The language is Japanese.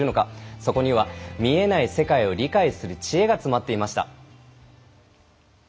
そこには見えない世界を理解する知恵が詰まっていました。